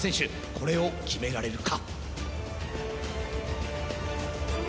これをきめられるか？